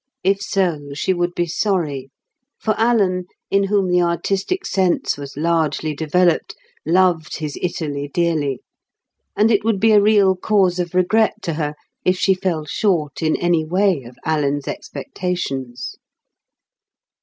If so, she would be sorry; for Alan, in whom the artistic sense was largely developed, loved his Italy dearly; and it would be a real cause of regret to her if she fell short in any way of Alan's expectations.